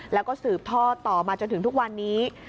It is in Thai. แล้วก็สืบท่อต่อมาจนถึงทุกวันนี้